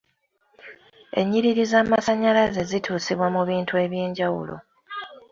Ennyiriri z'amasannyalaze zituusibwa mu bintu ebyenjawulo.